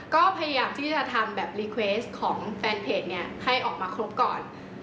ก็พยายามที่จะทำคำสั่งของแฟนเพจให้ออกมาครบก่อน